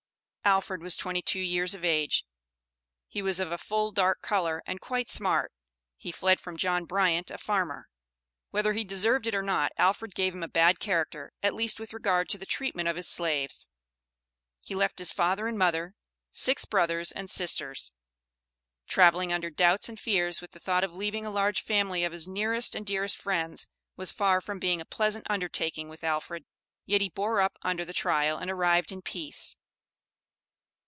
Alfred was twenty two years of age; he was of a full dark color, and quite smart. He fled from John Bryant, a farmer. Whether he deserved it or not, Alfred gave him a bad character, at least, with regard to the treatment of his slaves. He left his father and mother, six brothers and sisters. Traveling under doubts and fears with the thought of leaving a large family of his nearest and dearest friends, was far from being a pleasant undertaking with Alfred, yet he bore up under the trial and arrived in peace.